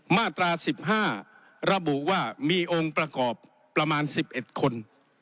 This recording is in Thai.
มาตรา๑๕ระบุว่ามีองค์ประกอบประมาณ๑๑คน